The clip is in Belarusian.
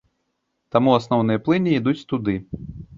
Таму асноўныя плыні ідуць туды.